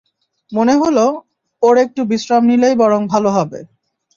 মনে হলো, ওর একটু বিশ্রাম নিলেই বরং ভালো হবে।